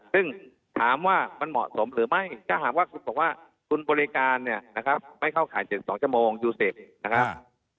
ซึ่งถามว่ามันเหมาะสมหรือไม่ถ้าหากว่าคุณบริการไม่เข้าข่าย๗๒ชั่วโมงยูเซฟนะครับ